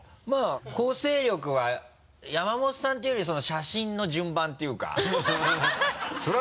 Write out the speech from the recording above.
構成力は山本さんっていうより写真の順番っていうか。